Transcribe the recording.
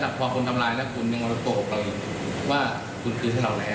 ถ้าพ่อคุณทำลายนั้นคุณต้องโกหกตัวอีกว่าคุณคูณใช้เราแล้ว